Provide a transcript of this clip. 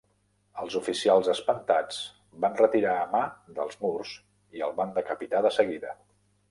Els oficials espantats van retirar a Ma dels murs i el van decapitar de seguida.